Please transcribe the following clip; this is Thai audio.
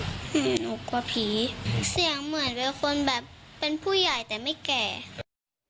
หนูกลัวผีเสียงเหมือนเป็นคนแบบเป็นผู้ใหญ่แต่ไม่แก่